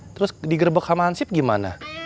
terus digerbok sama ansip gimana